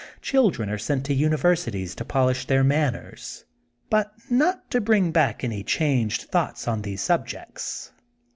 Children are sent to universities to polish their manners, but not to bring back any changed thoughts on these subjects.